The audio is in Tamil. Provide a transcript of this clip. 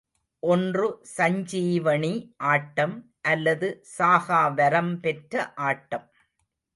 ஒன்று சஞ்சீவணி ஆட்டம் அல்லது சாகா வரம் பெற்ற ஆட்டம்.